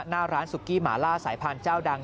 หน้าร้านสุฯกิหมาล่าสายพานเจ้าดัง